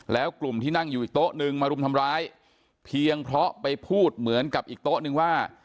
แล้วกลุ่มที่นั่งอยู่อีกโต๊ะนึงมารุมทำร้ายเพียงเพราะไปพูดเหมือนกับอีกโต๊ะนึงว่า